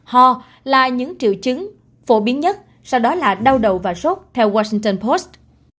ho là những triệu chứng phổ biến nhất sau đó là đau đầu và sốt theo washington post